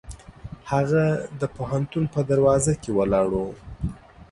هغه د پوهنتون په دروازه کې ولاړ و.